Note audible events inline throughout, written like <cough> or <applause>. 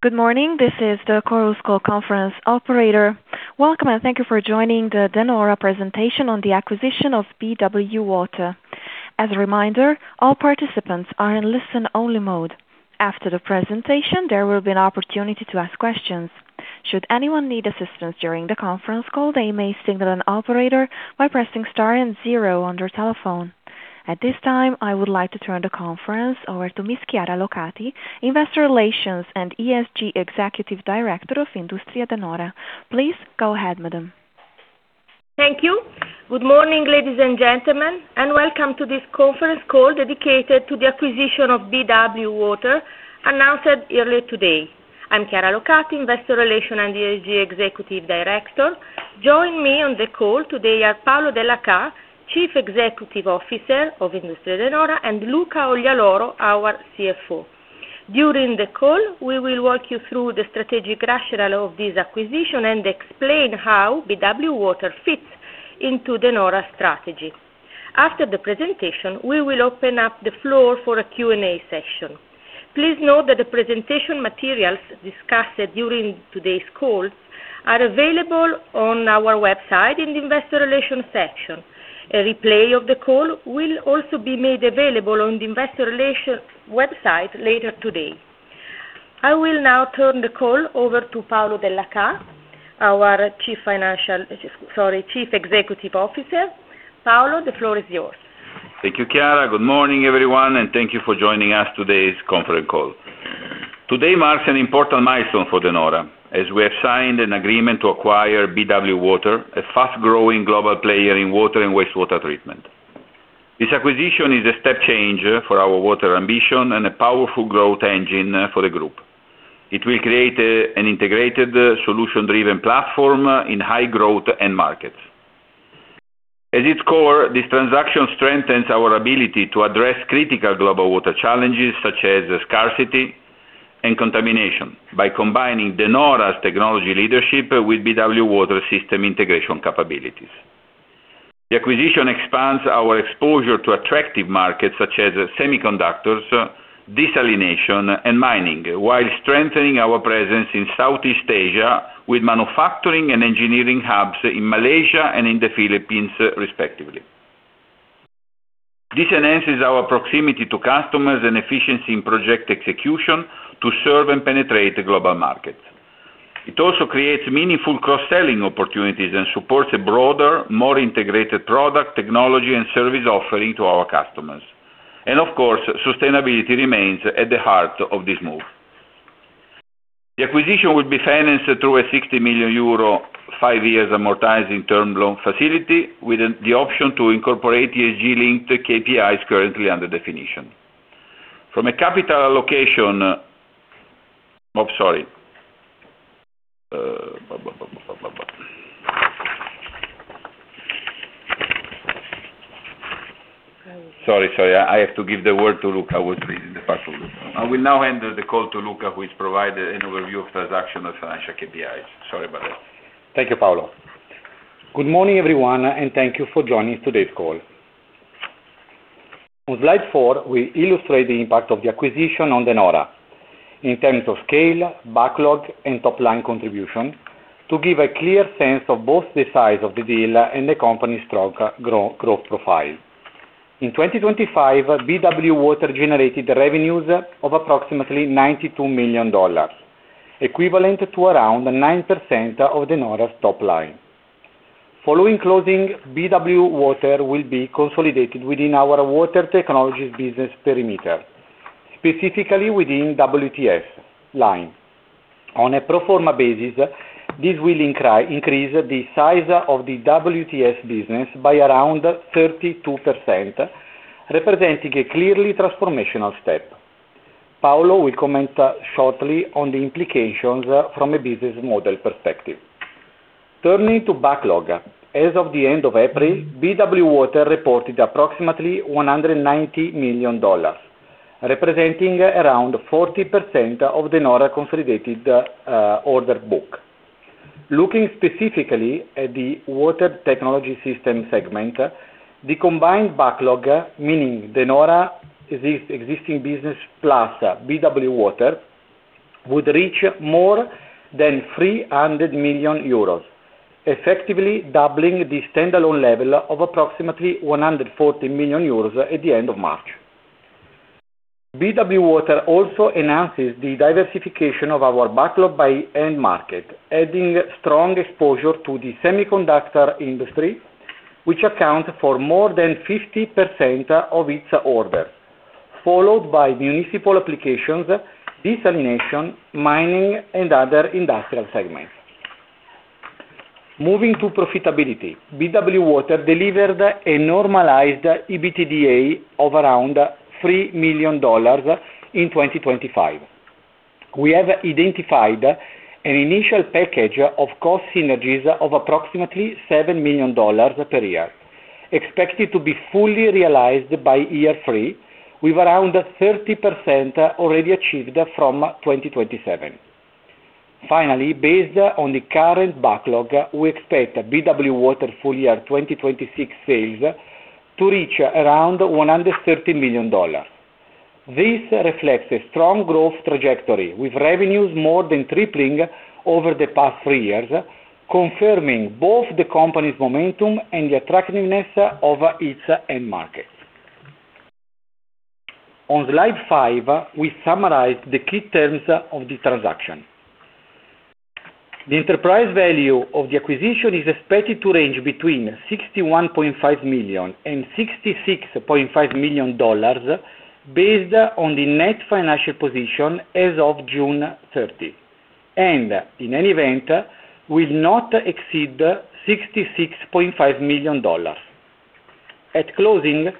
Good morning. This is the Chorus Call conference operator. Welcome, thank you for joining the De Nora presentation on the acquisition of BW Water. As a reminder, all participants are in listen-only mode. After the presentation, there will be an opportunity to ask questions. Should anyone need assistance during the conference call, they may signal an operator by pressing star and zero on their telephone. At this time, I would like to turn the conference over to Ms. Chiara Locati, Investor Relations and ESG Executive Director of Industrie De Nora. Please go ahead, madam. Thank you. Good morning, ladies and gentlemen, welcome to this conference call dedicated to the acquisition of BW Water, announced earlier today. I'm Chiara Locati, Investor Relations and ESG Executive Director. Joining me on the call today are Paolo Dellachà, Chief Executive Officer of Industrie De Nora, and Luca Oglialoro, our CFO. During the call, we will walk you through the strategic rationale of this acquisition and explain how BW Water fits into De Nora's strategy. After the presentation, we will open up the floor for a Q&A session. Please note that the presentation materials discussed during today's call are available on our website in the investor relations section. A replay of the call will also be made available on the investor relations website later today. I will now turn the call over to Paolo Dellachà, our Chief Executive Officer. Paolo, the floor is yours. Thank you, Chiara. Good morning, everyone, and thank you for joining us on today's conference call. Today marks an important milestone for De Nora, as we have signed an agreement to acquire BW Water, a fast-growing global player in water and wastewater treatment. This acquisition is a step change for our water ambition and a powerful growth engine for the group. It will create an integrated solution-driven platform in high growth end markets. At its core, this transaction strengthens our ability to address critical global water challenges, such as scarcity and contamination, by combining De Nora's technology leadership with BW Water system integration capabilities. The acquisition expands our exposure to attractive markets such as semiconductors, desalination, and mining, while strengthening our presence in Southeast Asia with manufacturing and engineering hubs in Malaysia and in the Philippines respectively. This enhances our proximity to customers and efficiency in project execution to serve and penetrate global markets. It also creates meaningful cross-selling opportunities and supports a broader, more integrated product technology and service offering to our customers. Of course, sustainability remains at the heart of this move. The acquisition will be financed through a 60 million euro, five years amortizing term loan facility, with the option to incorporate ESG-linked KPIs currently under definition. From a capital allocation, I have to <audio distortion> give the word to Luca. I will now hand the call to Luca, who will provide an overview of transaction of financial KPIs. Sorry about that. Thank you, Paolo Dellachà. Good morning, everyone, and thank you for joining today's call. On slide 4, we illustrate the impact of the acquisition on De Nora in terms of scale, backlog, and top-line contribution to give a clear sense of both the size of the deal and the company's strong growth profile. In 2025, BW Water generated revenues of approximately $92 million, equivalent to around 9% of De Nora's top line. Following closing, BW Water will be consolidated within our Water Technologies business perimeter, specifically within WTS line. On a pro forma basis, this will increase the size of the WTS business by around 32%, representing a clearly transformational step. Paolo Dellachà will comment shortly on the implications from a business model perspective. Turning to backlog, as of the end of April, BW Water reported approximately $190 million, representing around 40% of De Nora consolidated order book. Looking specifically at the Water Technology System segment, the combined backlog, meaning De Nora existing business plus BW Water, would reach more than 300 million euros, effectively doubling the standalone level of approximately 140 million euros at the end of March. BW Water also enhances the diversification of our backlog by end market, adding strong exposure to the semiconductor industry, which accounts for more than 50% of its orders, followed by municipal applications, desalination, mining, and other industrial segments. Moving to profitability, BW Water delivered a normalized EBITDA of around $3 million in 2025. We have identified an initial package of cost synergies of approximately $7 million per year, expected to be fully realized by year three, with around 30% already achieved from 2027. Based on the current backlog, we expect BW Water full year 2026 sales to reach around $130 million. This reflects a strong growth trajectory, with revenues more than tripling over the past three years, confirming both the company's momentum and the attractiveness of its end market. On slide 5, we summarize the key terms of the transaction. The enterprise value of the acquisition is expected to range between $61.5 million and $66.5 million based on the net financial position as of June 30th, and in any event, will not exceed $66.5 million. At closing,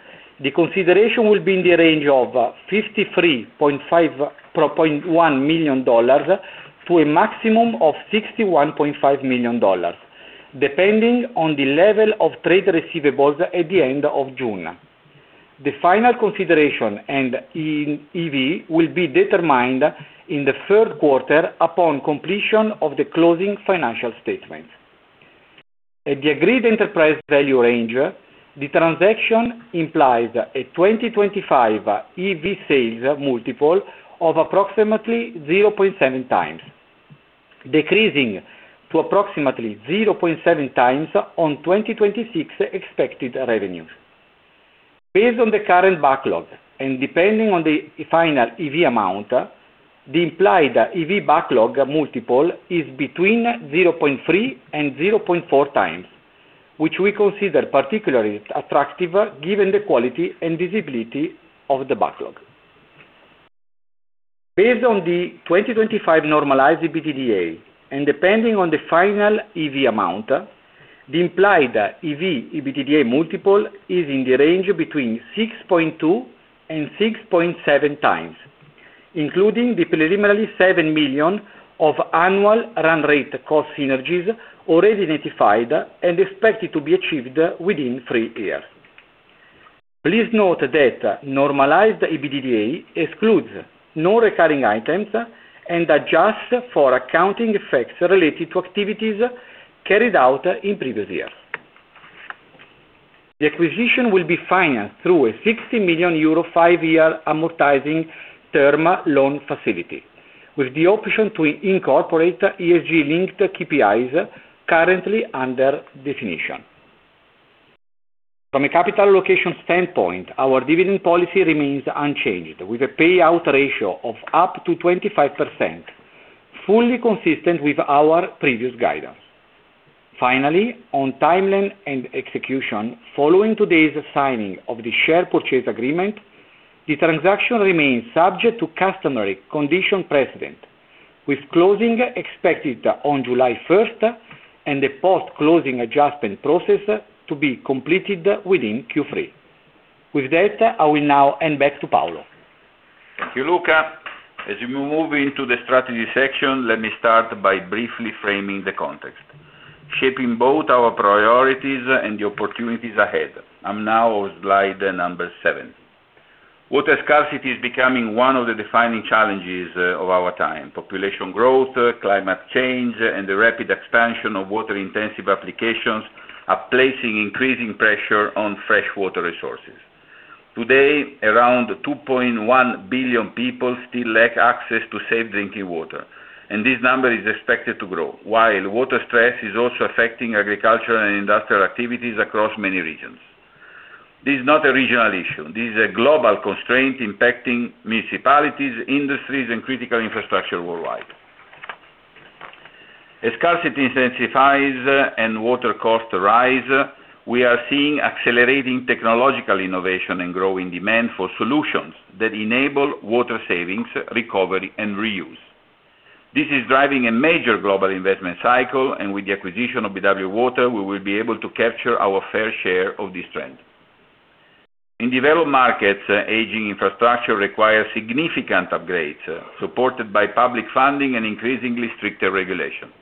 the consideration will be in the range of $53.5 million to a maximum of $61.5 million, depending on the level of trade receivables at the end of June. The final consideration and EV will be determined in the Q3 upon completion of the closing financial statement. At the agreed enterprise value range, the transaction implies a 2025 EV sales multiple of approximately 0.7x, decreasing to approximately 0.7x on 2026 expected revenues. Based on the current backlog and depending on the final EV amount, the implied EV backlog multiple is between 0.3x and 0.4x, which we consider particularly attractive given the quality and visibility of the backlog. Based on the 2025 normalized EBITDA and depending on the final EV amount, the implied EV/EBITDA multiple is in the range between 6.2x and 6.7x, including the preliminary 7 million of annual run rate cost synergies already identified and expected to be achieved within three years. Please note that normalized EBITDA excludes non-recurring items and adjusts for accounting effects related to activities carried out in previous years. The acquisition will be financed through a 60 million euro five-year amortizing term loan facility, with the option to incorporate ESG-linked KPIs currently under definition. From a capital allocation standpoint, our dividend policy remains unchanged, with a payout ratio of up to 25%, fully consistent with our previous guidance. Finally, on timeline and execution, following today's signing of the share purchase agreement, the transaction remains subject to customary condition precedent, with closing expected on July 1st and the post-closing adjustment process to be completed within Q3. With that, I will now hand back to Paolo. Thank you, Luca. As we move into the strategy section, let me start by briefly framing the context, shaping both our priorities and the opportunities ahead. I'm now on slide number 7. Water scarcity is becoming one of the defining challenges of our time. Population growth, climate change, and the rapid expansion of water-intensive applications are placing increasing pressure on freshwater resources. Today, around 2.1 billion people still lack access to safe drinking water, and this number is expected to grow, while water stress is also affecting agricultural and industrial activities across many regions. This is not a regional issue. This is a global constraint impacting municipalities, industries, and critical infrastructure worldwide. As scarcity intensifies and water costs rise, we are seeing accelerating technological innovation and growing demand for solutions that enable water savings, recovery, and reuse. This is driving a major global investment cycle, and with the acquisition of BW Water, we will be able to capture our fair share of this trend. In developed markets, aging infrastructure requires significant upgrades, supported by public funding and increasingly stricter regulation.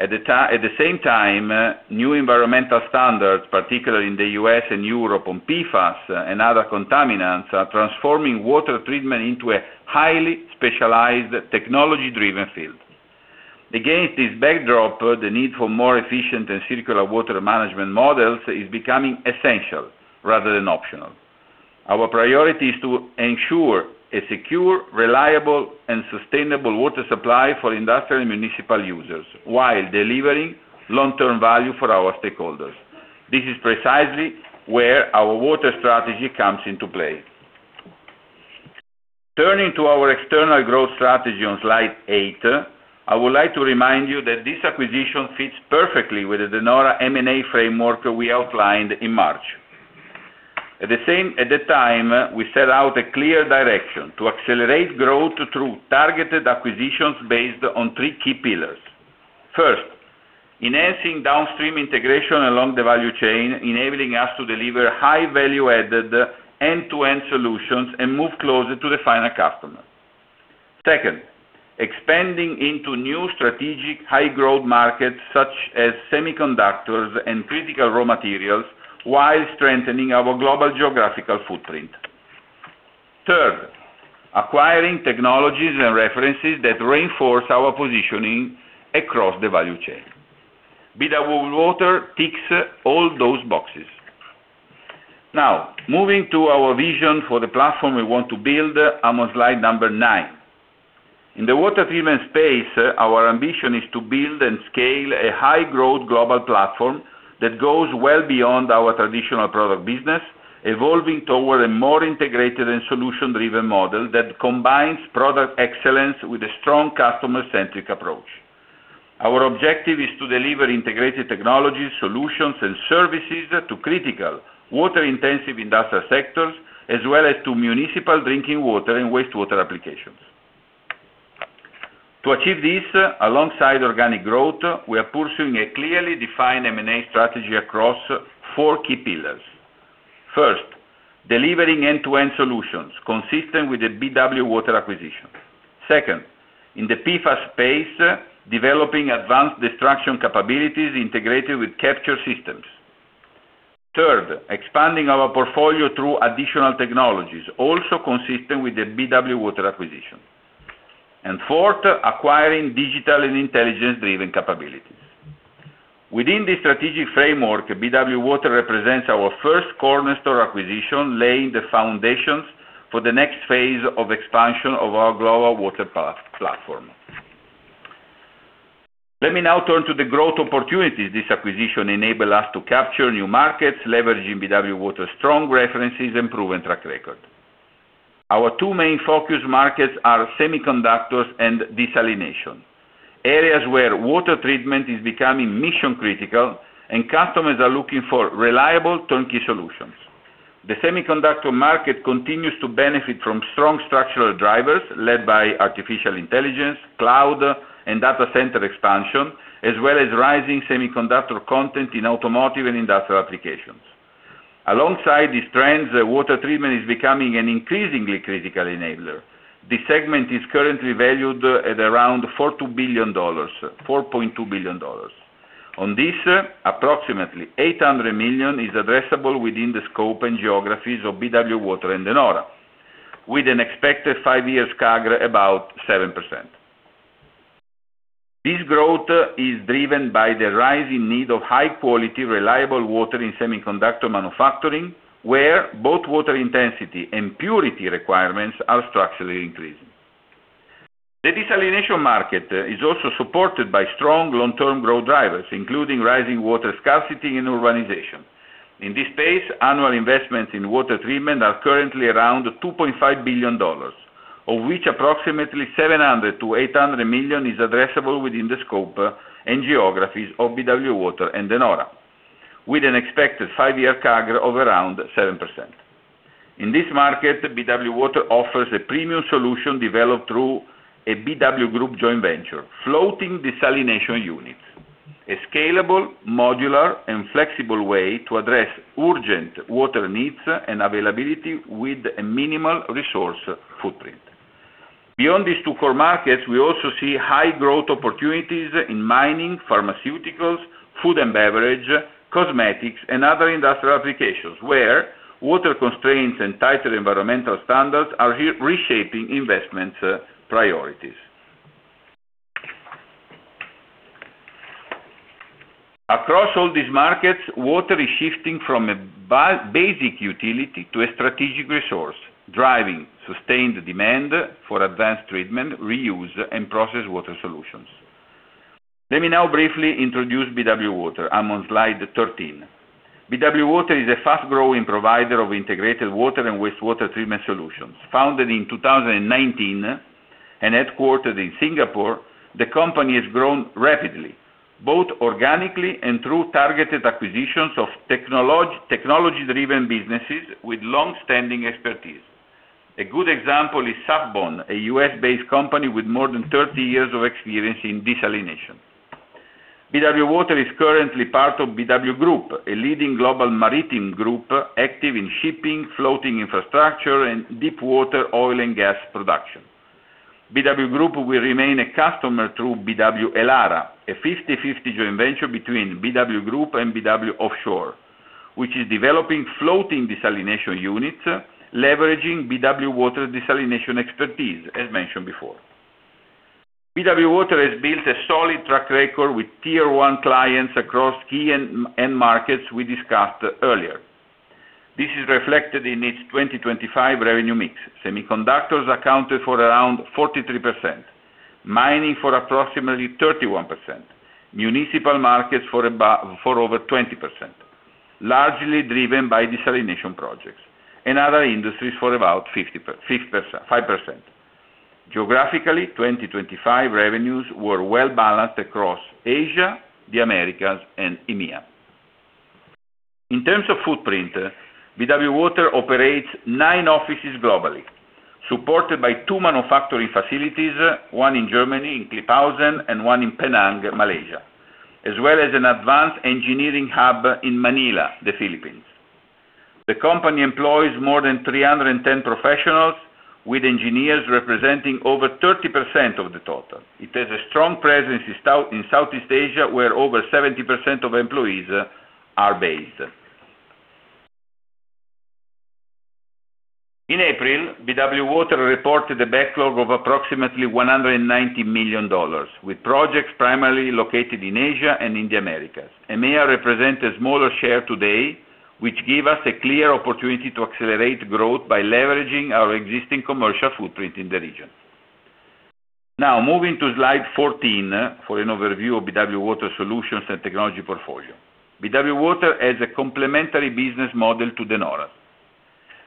At the same time, new environmental standards, particularly in the U.S. and Europe on PFAS and other contaminants, are transforming water treatment into a highly specialized, technology-driven field. Against this backdrop, the need for more efficient and circular water management models is becoming essential rather than optional. Our priority is to ensure a secure, reliable, and sustainable water supply for industrial and municipal users while delivering long-term value for our stakeholders. This is precisely where our water strategy comes into play. Turning to our external growth strategy on slide 8, I would like to remind you that this acquisition fits perfectly with the De Nora M&A framework we outlined in March. At the time, we set out a clear direction: to accelerate growth through targeted acquisitions based on three key pillars. First, enhancing downstream integration along the value chain, enabling us to deliver high value-added, end-to-end solutions and move closer to the final customer. Second, expanding into new strategic, high-growth markets such as semiconductors and critical raw materials while strengthening our global geographical footprint. Third, acquiring technologies and references that reinforce our positioning across the value chain. BW Water ticks all those boxes. Now, moving to our vision for the platform we want to build, I'm on slide number 9. In the water treatment space, our ambition is to build and scale a high growth global platform that goes well beyond our traditional product business, evolving toward a more integrated and solution-driven model that combines product excellence with a strong customer-centric approach. Our objective is to deliver integrated technology solutions and services to critical water-intensive industrial sectors, as well as to municipal drinking water and wastewater applications. To achieve this, alongside organic growth, we are pursuing a clearly defined M&A strategy across four key pillars. First, delivering end-to-end solutions consistent with the BW Water acquisition. Second, in the PFAS space, developing advanced destruction capabilities integrated with capture systems. Third, expanding our portfolio through additional technologies, also consistent with the BW Water acquisition. Fourth, acquiring digital and intelligence-driven capabilities. Within this strategic framework, BW Water represents our first cornerstone acquisition, laying the foundations for the next phase of expansion of our global water platform. Let me now turn to the growth opportunities this acquisition enable us to capture new markets, leveraging BW Water's strong references and proven track record. Our two main focus markets are semiconductors and desalination, areas where water treatment is becoming mission-critical and customers are looking for reliable turnkey solutions. The semiconductor market continues to benefit from strong structural drivers led by artificial intelligence, cloud, and data center expansion, as well as rising semiconductor content in automotive and industrial applications. Alongside these trends, water treatment is becoming an increasingly critical enabler. This segment is currently valued at around $4.2 billion. On this, approximately $800 million is addressable within the scope and geographies of BW Water and De Nora, with an expected five-year CAGR about 7%. This growth is driven by the rising need of high-quality, reliable water in semiconductor manufacturing, where both water intensity and purity requirements are structurally increasing. The desalination market is also supported by strong long-term growth drivers, including rising water scarcity and urbanization. In this space, annual investments in water treatment are currently around $2.5 billion, of which approximately $700 million-$800 million is addressable within the scope and geographies of BW Water and De Nora, with an expected five-year CAGR of around 7%. In this market, BW Water offers a premium solution developed through a BW Group joint venture, floating desalination units, a scalable, modular, and flexible way to address urgent water needs and availability with a minimal resource footprint. Beyond these two core markets, we also see high growth opportunities in mining, pharmaceuticals, food and beverage, cosmetics, and other industrial applications where water constraints and tighter environmental standards are reshaping investment priorities. Across all these markets, water is shifting from a basic utility to a strategic resource, driving sustained demand for advanced treatment, reuse, and process water solutions. Let me now briefly introduce BW Water. I'm on slide 13. BW Water is a fast-growing provider of integrated water and wastewater treatment solutions. Founded in 2019 and headquartered in Singapore, the company has grown rapidly, both organically and through targeted acquisitions of technology-driven businesses with longstanding expertise. A good example is SafBon, a U.S.-based company with more than 30 years of experience in desalination. BW Water is currently part of BW Group, a leading global maritime group active in shipping, floating infrastructure, and deepwater oil and gas production. BW Group will remain a customer through BW Elara, a 50/50 joint venture between BW Group and BW Offshore, which is developing floating desalination units, leveraging BW Water desalination expertise, as mentioned before. BW Water has built a solid track record with Tier 1 clients across key end markets we discussed earlier. This is reflected in its 2025 revenue mix. Semiconductors accounted for around 43%, mining for approximately 31%, municipal markets for over 20%, largely driven by desalination projects, and other industries for about 5%. Geographically, 2025 revenues were well-balanced across Asia, the Americas, and EMEA. In terms of footprint, BW Water operates nine offices globally, supported by two manufacturing facilities, one in Germany in Klipphausen and one in Penang, Malaysia, as well as an advanced engineering hub in Manila, the Philippines. The company employs more than 310 professionals, with engineers representing over 30% of the total. It has a strong presence in Southeast Asia, where over 70% of employees are based. In April, BW Water reported a backlog of approximately $190 million, with projects primarily located in Asia and in the Americas. EMEA represent a smaller share today, which give us a clear opportunity to accelerate growth by leveraging our existing commercial footprint in the region. Moving to slide 14 for an overview of BW Water solutions and technology portfolio. BW Water has a complementary business model to De Nora.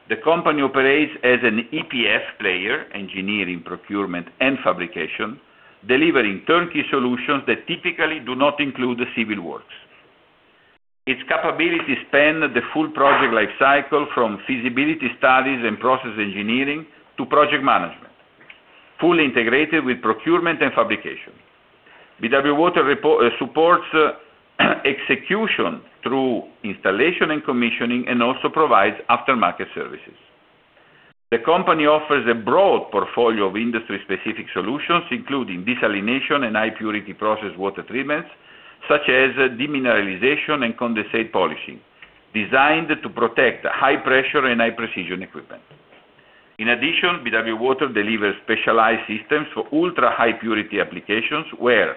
The company operates as an EPF player, engineering, procurement, and fabrication, delivering turnkey solutions that typically do not include the civil works. Its capabilities span the full project life cycle from feasibility studies and process engineering to project management, fully integrated with procurement and fabrication. BW Water supports execution through installation and commissioning and also provides aftermarket services. The company offers a broad portfolio of industry-specific solutions, including desalination and high purity process water treatments, such as demineralization and condensate polishing, designed to protect high pressure and high precision equipment. In addition, BW Water delivers specialized systems for ultra-high purity applications, where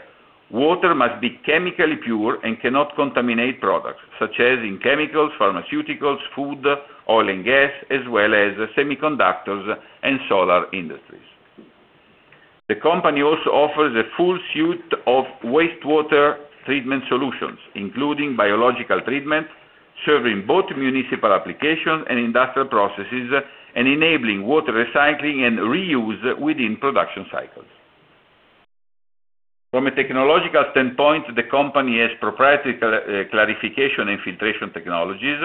water must be chemically pure and cannot contaminate products, such as in chemicals, pharmaceuticals, food, oil and gas, as well as semiconductors and solar industries. The company also offers a full suite of wastewater treatment solutions, including biological treatment, serving both municipal application and industrial processes, and enabling water recycling and reuse within production cycles. From a technological standpoint, the company has proprietary clarification and filtration technologies,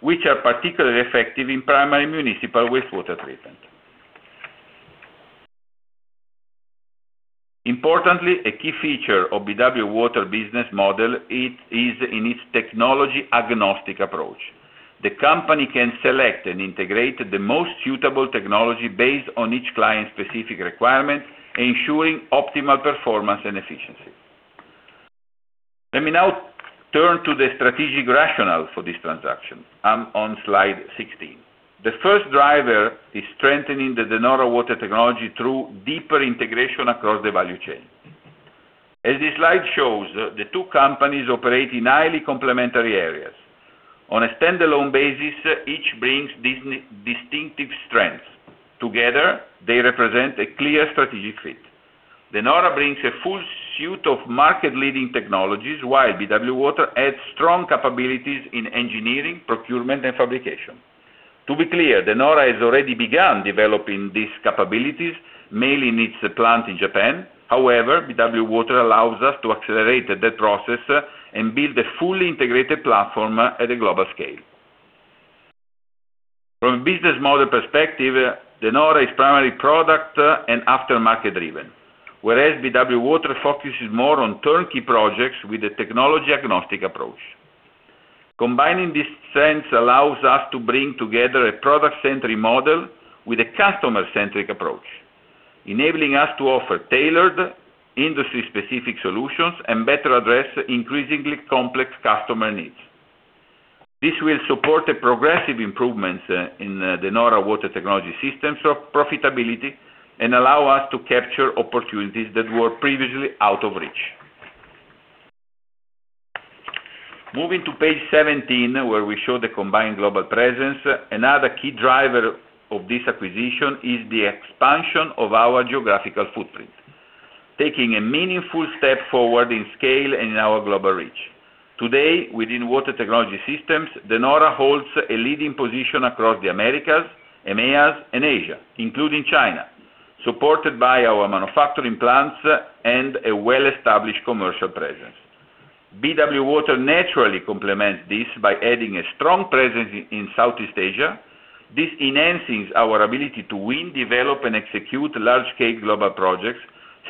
which are particularly effective in primary municipal wastewater treatment. Importantly, a key feature of BW Water business model is in its technology agnostic approach. The company can select and integrate the most suitable technology based on each client's specific requirement, ensuring optimal performance and efficiency. Let me now turn to the strategic rationale for this transaction. I'm on slide 16. The first driver is strengthening the De Nora water technology through deeper integration across the value chain. As this slide shows, the two companies operate in highly complementary areas. On a standalone basis, each brings distinctive strengths. Together, they represent a clear strategic fit. De Nora brings a full suite of market-leading technologies, while BW Water adds strong capabilities in engineering, procurement, and fabrication. To be clear, De Nora has already begun developing these capabilities, mainly in its plant in Japan. BW Water allows us to accelerate that process and build a fully integrated platform at a global scale. From a business model perspective, De Nora is primary product and aftermarket driven, whereas BW Water focuses more on turnkey projects with a technology agnostic approach. Combining these strengths allows us to bring together a product-centric model with a customer-centric approach, enabling us to offer tailored industry specific solutions and better address increasingly complex customer needs. This will support a progressive improvements in De Nora Water Technology systems of profitability and allow us to capture opportunities that were previously out of reach. Moving to page 17, where we show the combined global presence, another key driver of this acquisition is the expansion of our geographical footprint, taking a meaningful step forward in scale and in our global reach. Today, within Water Technology systems, De Nora holds a leading position across the Americas, EMEA, and Asia, including China, supported by our manufacturing plants and a well-established commercial presence. BW Water naturally complements this by adding a strong presence in Southeast Asia. This enhances our ability to win, develop, and execute large-scale global projects,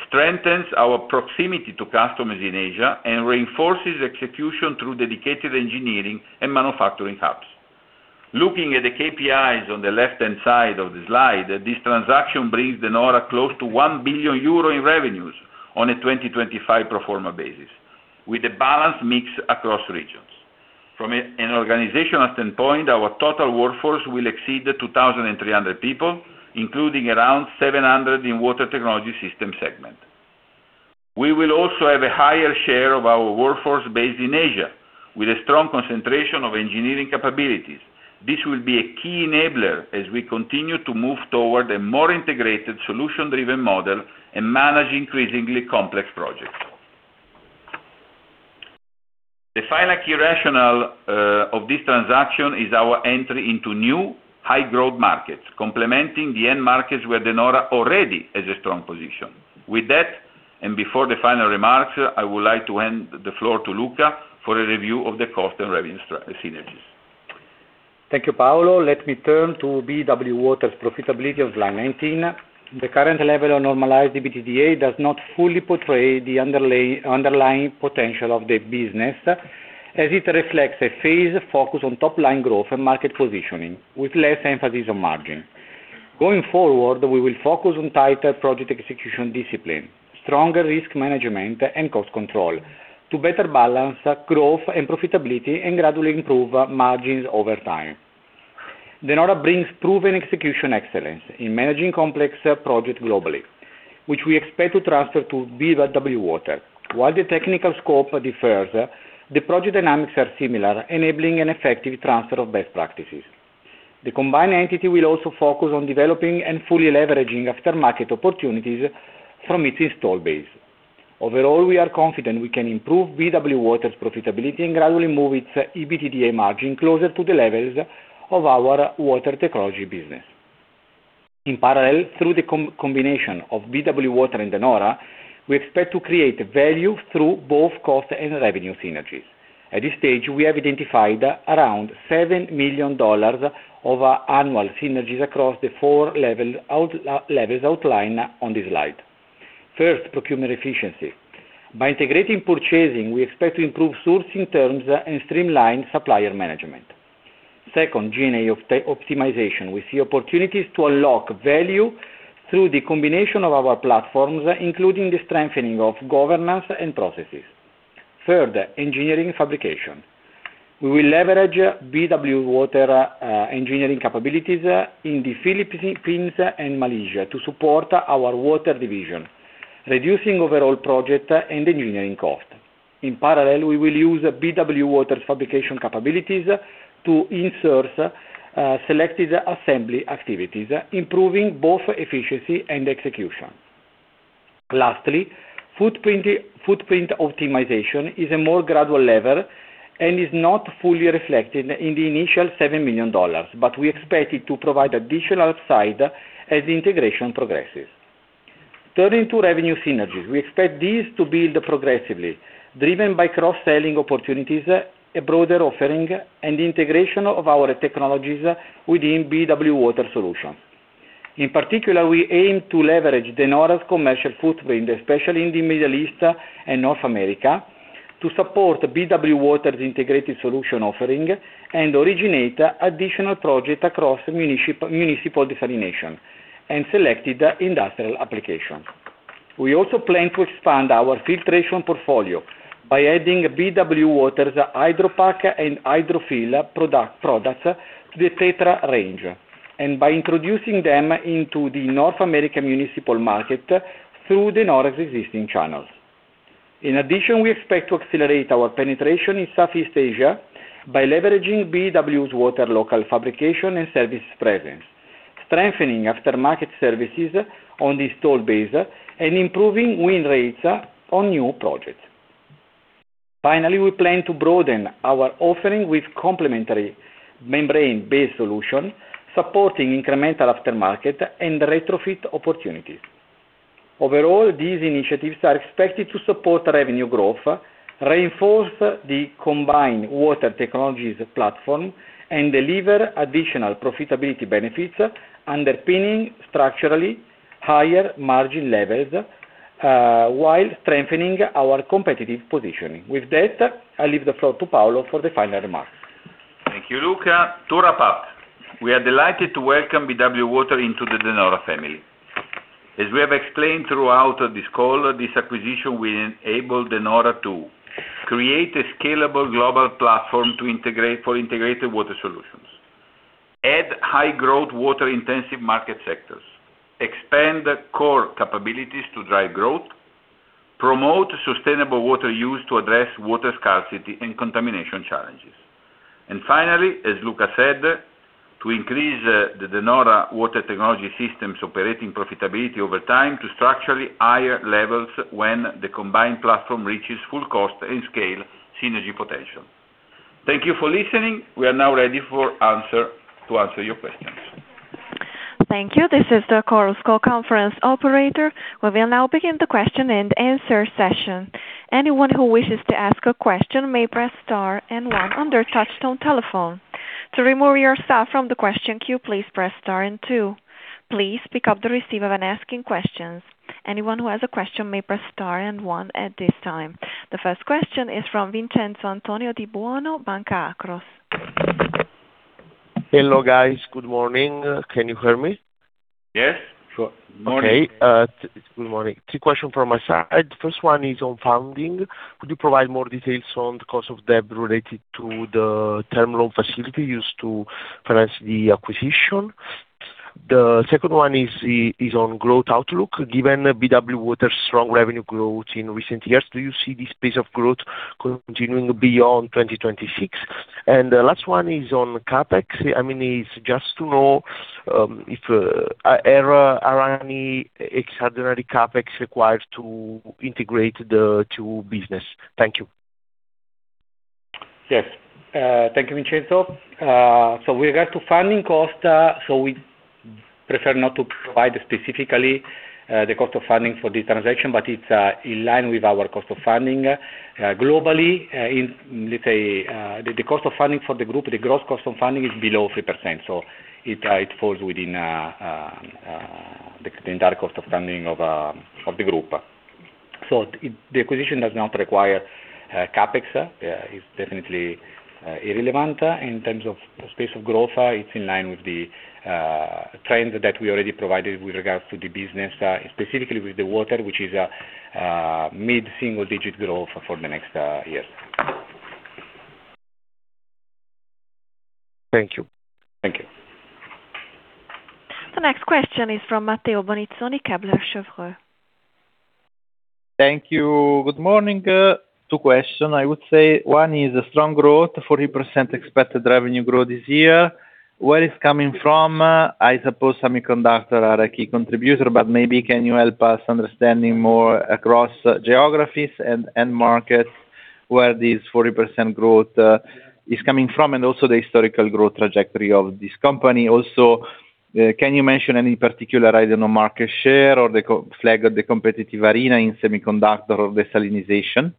strengthens our proximity to customers in Asia, and reinforces execution through dedicated engineering and manufacturing hubs. Looking at the KPIs on the left-hand side of the slide, this transaction brings De Nora close to 1 billion euro in revenues on a 2025 pro forma basis, with a balanced mix across regions. From an organizational standpoint, our total workforce will exceed 2,300 people, including around 700 in Water Technology System segment. We will also have a higher share of our workforce based in Asia, with a strong concentration of engineering capabilities. This will be a key enabler as we continue to move toward a more integrated solution-driven model and manage increasingly complex projects. The final key rationale of this transaction is our entry into new high growth markets, complementing the end markets where De Nora already has a strong position. Before the final remarks, I would like to hand the floor to Luca for a review of the cost and revenue synergies. Thank you, Paolo. Let me turn to BW Water's profitability on slide 19. The current level of normalized EBITDA does not fully portray the underlying potential of the business, as it reflects a phased focus on top line growth and market positioning with less emphasis on margin. Going forward, we will focus on tighter project execution discipline, stronger risk management, and cost control to better balance growth and profitability and gradually improve margins over time. De Nora brings proven execution excellence in managing complex projects globally, which we expect to transfer to BW Water. While the technical scope differs, the project dynamics are similar, enabling an effective transfer of best practices. The combined entity will also focus on developing and fully leveraging aftermarket opportunities from its install base. Overall, we are confident we can improve BW Water's profitability and gradually move its EBITDA margin closer to the levels of our water technology business. In parallel, through the combination of BW Water and De Nora, we expect to create value through both cost and revenue synergies. At this stage, we have identified around $7 million of annual synergies across the four levels outlined on this slide. First, procurement efficiency. By integrating purchasing, we expect to improve sourcing terms and streamline supplier management. Second, G&A optimization. We see opportunities to unlock value through the combination of our platforms, including the strengthening of governance and processes. Third, engineering fabrication. We will leverage BW Water engineering capabilities in the Philippines and Malaysia to support our water division, reducing overall project and engineering cost. In parallel, we will use BW Water's fabrication capabilities to in-source selected assembly activities, improving both efficiency and execution. Lastly, footprint optimization is a more gradual level and is not fully reflected in the initial EUR 7 million, but we expect it to provide additional upside as the integration progresses. Turning to revenue synergies. We expect these to build progressively, driven by cross-selling opportunities, a broader offering, and the integration of our technologies within BW Water solutions. In particular, we aim to leverage De Nora's commercial footprint, especially in the Middle East and North America, to support BW Water's integrated solution offering and originate additional projects across municipal desalination and selected industrial applications. We also plan to expand our filtration portfolio by adding BW Water's Hydro-PAQ and Hydro-FIL products to the TETRA range, and by introducing them into the North American municipal market through De Nora's existing channels. In addition, we expect to accelerate our penetration in Southeast Asia by leveraging BW Water's local fabrication and service presence, strengthening aftermarket services on the install base, and improving win rates on new projects. Finally, we plan to broaden our offering with complementary membrane-based solutions, supporting incremental aftermarket and retrofit opportunities. Overall, these initiatives are expected to support revenue growth, reinforce the combined Water Technologies platform, and deliver additional profitability benefits underpinning structurally higher margin levels while strengthening our competitive positioning. With that, I leave the floor to Paolo for the final remarks. Thank you, Luca. To wrap up, we are delighted to welcome BW Water into the De Nora family. As we have explained throughout this call, this acquisition will enable De Nora to create a scalable global platform for integrated water solutions, add high growth water-intensive market sectors, expand core capabilities to drive growth, promote sustainable water use to address water scarcity and contamination challenges. Finally, as Luca said, to increase the De Nora water technology systems operating profitability over time to structurally higher levels when the combined platform reaches full cost and scale synergy potential. Thank you for listening. We are now ready to answer your questions. Thank you. This is the Chorus Call conference operator. We will now begin the question and answer session. Anyone who wishes to ask a question may press star and one on their touch-tone telephone. To remove yourself from the question queue, please press star and two. Please pick up the receiver when asking questions. Anyone who has a question may press star and one at this time. The first question is from Vincenzo Antonio Di Buono, Banca Akros. Hello, guys. Good morning. Can you hear me? Yes. Sure. Morning. Good morning. Two questions from my side. First one is on funding. Could you provide more details on the cost of debt related to the term loan facility used to finance the acquisition? The second one is on growth outlook. Given BW Water's strong revenue growth in recent years, do you see this pace of growth continuing beyond 2026? The last one is on CapEx. I mean, it's just to know if any extraordinary CapEx required to integrate the two businesses. Thank you. Yes. Thank you, Vincenzo. With regard to funding cost, we prefer not to provide specifically the cost of funding for this transaction, but it's in line with our cost of funding globally. Let's say the cost of funding for the group, the gross cost of funding is below 3%, it falls within the entire cost of funding of the group. The acquisition does not require CapEx. It's definitely irrelevant in terms of pace of growth. It's in line with the trend that we already provided with regards to the business, specifically with the water, which is a mid-single digit growth for the next years. Thank you. Thank you. The next question is from Matteo Bonizzoni, Kepler Cheuvreux. Thank you. Good morning. Two questions, I would say. One is strong growth, 40% expected revenue growth this year. Where is it coming from? I suppose semiconductor are a key contributor, but maybe can you help us understanding more across geographies and markets where this 40% growth is coming from, and also the historical growth trajectory of this company. Also, can you mention any particular, I don't know, market share or the flag of the competitive arena in semiconductor or desalination?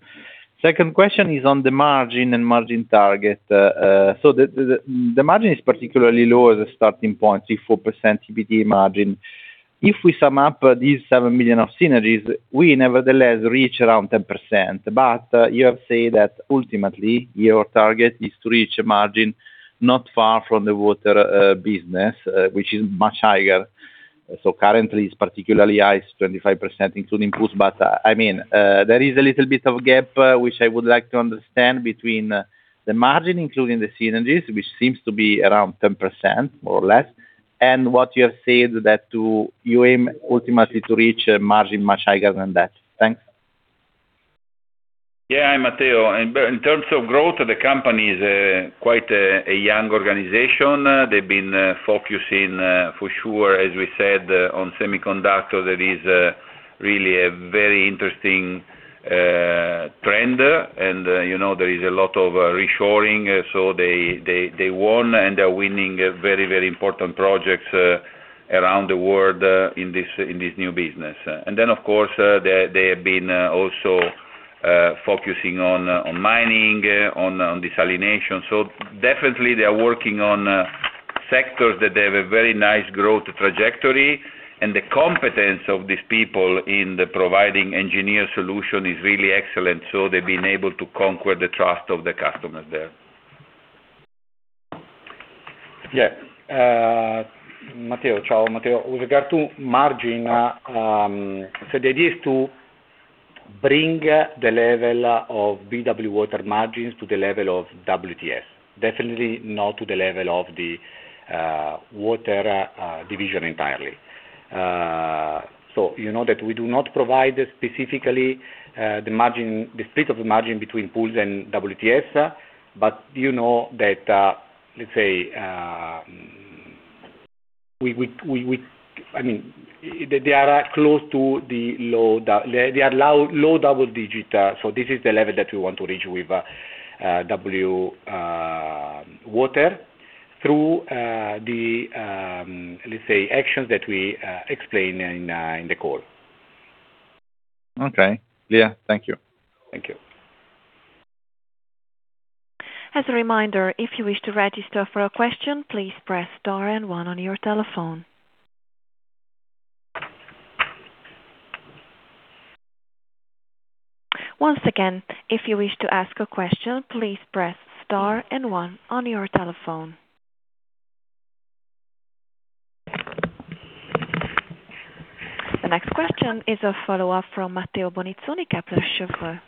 Second question is on the margin and margin target. The margin is particularly low as a starting point, 3.4% EBITDA margin. If we sum up these 7 million of synergies, we nevertheless reach around 10%. You have said that ultimately, your target is to reach a margin not far from the water business, which is much higher. Currently, it's particularly high, it's 25% including Pools. There is a little bit of gap, which I would like to understand between the margin including the synergies, which seems to be around 10%, more or less, and what you have said that you aim ultimately to reach a margin much higher than that. Thanks. Yeah, Matteo, in terms of growth, the company is quite a young organization. They’ve been focusing for sure, as we said, on semiconductor. That is really a very interesting trend, and there is a lot of reshoring. They won and are winning very important projects around the world in this new business. Then, of course, they have been also focusing on mining, on desalination. Definitely, they are working on sectors that they have a very nice growth trajectory, and the competence of these people in providing engineered solutions is really excellent. They’ve been able to conquer the trust of the customers there. Yeah. Matteo, ciao, Matteo. With regard to margin, so the idea is to bring the level of BW Water margins to the level of WTS, definitely not to the level of the water division entirely. You know that we do not provide specifically the split of the margin between Pools and WTS, but you know that, let's say, they are low double digit. This is the level that we want to reach with BW Water through the, let's say, actions that we explained in the call. Okay. Yeah. Thank you. Thank you. As a reminder, if you wish to register for a question, please press star and one on your telephone. Once again, if you wish to ask a question, please press star and one on your telephone. The next question is a follow-up from Matteo Bonizzoni, Kepler Cheuvreux.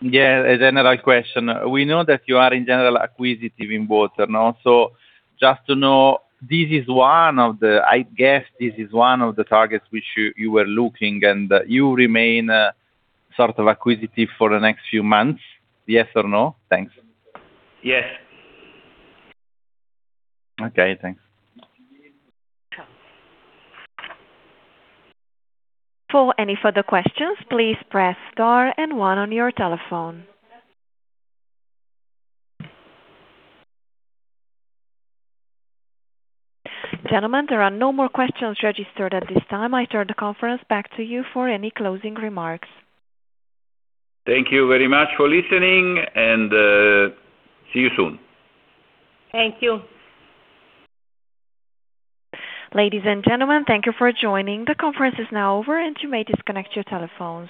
Yeah, a general question. We know that you are in general acquisitive in water, no? Just to know, I guess this is one of the targets which you were looking, and you remain sort of acquisitive for the next few months. Yes or no? Thanks. Yes. Okay, thanks. For any further questions, please press star and one on your telephone. Gentlemen, there are no more questions registered at this time. I turn the conference back to you for any closing remarks. Thank you very much for listening, and see you soon. Thank you. Ladies and gentlemen, thank you for joining. The conference is now over, and you may disconnect your telephones.